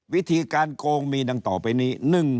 วิธีการโกงมีดังต่อไปนี้